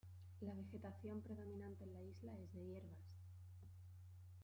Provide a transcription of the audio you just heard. La vegetación predominante en la isla es de hierbas.